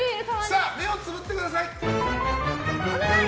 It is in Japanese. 目をつぶってください。